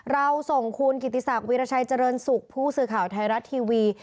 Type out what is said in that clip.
เราส่งคุณกิติศักดิราชัยเจริญสุขผู้สื่อข่าวไทยรัฐทีวี